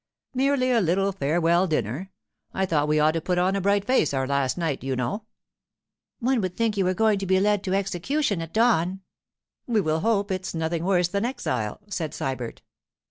'Merely a little farewell dinner. I thought we ought to put on a bright face our last night, you know.' 'One would think you were going to be led to execution at dawn.' 'We will hope it's nothing worse than exile,' said Sybert.